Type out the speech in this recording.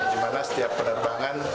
dimana setiap penerbangan